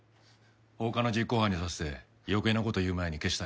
放火の実行犯にさせて余計な事言う前に消したんや。